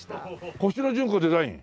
コシノジュンコデザイン？